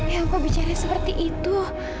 ya allah kok bicara seperti itu